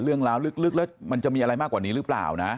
เรื่องราวลึกแล้วมันจะมีอะไรมากกว่านี้หรือเปล่านะ